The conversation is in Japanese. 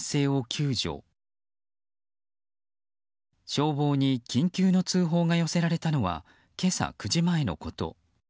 消防に緊急の通報が寄せられたのは今朝９時前のこと。